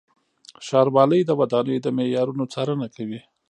ښاروالۍ د ودانیو د معیارونو څارنه کوي.